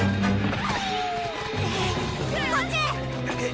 こっちへ！